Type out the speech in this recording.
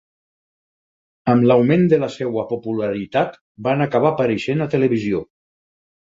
Amb l'augment de la seva popularitat van acabar apareixent a televisió.